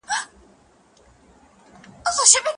لارښود خپل شاګرد ته د څېړني بشپړ جوړښت ورښيي.